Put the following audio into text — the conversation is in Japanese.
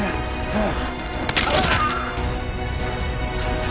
ああ！